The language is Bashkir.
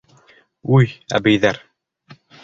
Уй, әбейҙәр!